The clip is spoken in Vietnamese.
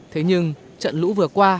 thế nhưng trận lũ vừa qua